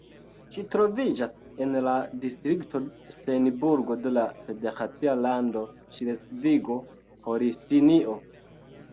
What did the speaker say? Ĝi troviĝas en la distrikto Steinburg de la federacia lando Ŝlesvigo-Holstinio.